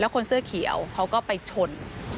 คนเสื้อเขียวเขาก็ไปชน